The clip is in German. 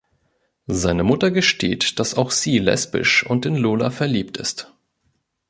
Seine Mutter gesteht, dass auch sie lesbisch und in Lola verliebt ist.